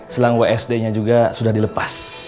selang wsd nya juga sudah dilepas